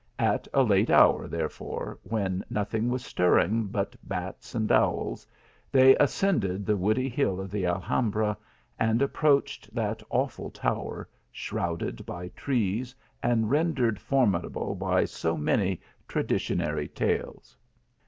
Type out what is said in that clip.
At a late hour, therefore, when nothing was stirring but bats and owls, they ascend ed the woody hill of the Alhambra, and approached that awful tower, shrouded by trees and rendered formidable by so many traditionary tales.